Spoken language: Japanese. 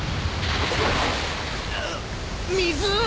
水！？